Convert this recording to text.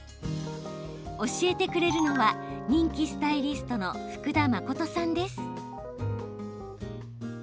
教えてくれるのは人気スタイリストの福田麻琴さんです。